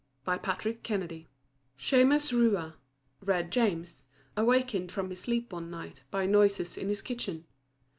PATRICK KENNEDY. Shemus Rua (Red James) awakened from his sleep one night by noises in his kitchen.